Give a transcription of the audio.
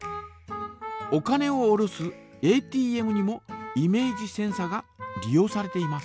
お金を下ろすＡＴＭにもイメージセンサが利用されています。